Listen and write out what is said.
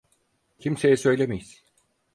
Kimseye söylemeyiz.